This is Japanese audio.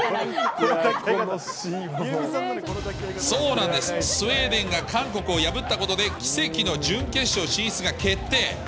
そうなんです、スウェーデンが韓国を破ったことで、奇跡の準決勝進出が決定。